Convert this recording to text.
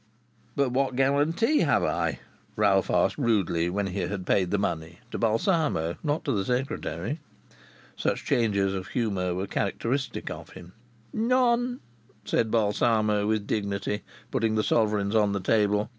"But what guarantee have I?" Ralph asked rudely, when he had paid the money to Balsamo, not to the secretary. Such changes of humour were characteristic of him. "None!" said Balsamo, with dignity, putting the sovereigns on the table.